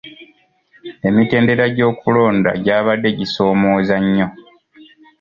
Emitendera gy'okulonda gy'abadde gisoomooza nnyo.